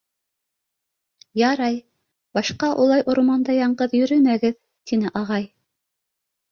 — Ярай, башҡа улай урманда яңғыҙ йөрөмәгеҙ, — тине ағай.